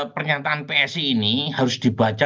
pernyataan psi ini harus dibaca